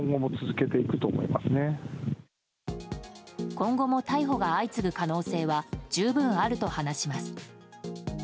今後も逮捕が相次ぐ可能性は十分あると話します。